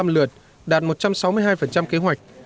một một trăm sáu mươi năm lượt đạt một trăm sáu mươi hai kế hoạch